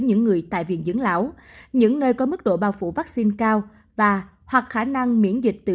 vị trí tại viện dưỡng lão những nơi có mức độ bao phủ vaccine cao và hoặc khả năng miễn dịch tự